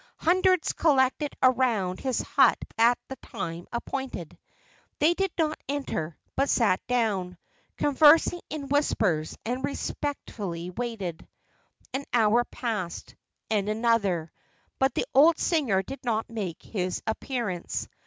Hundreds collected around his hut at the time appointed. They did not enter, but sat down, conversing in whispers, and respectfully waited. An hour passed, and another, but the old singer did not make his appearance.